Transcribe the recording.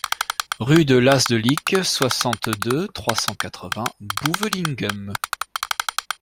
Rue de l'As de Licques, soixante-deux, trois cent quatre-vingts Bouvelinghem